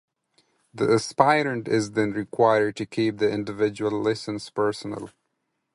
The aspirant is then required to keep the individual lessons personal.